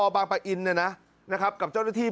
บางปะอินนะครับกับเจ้าหน้าที่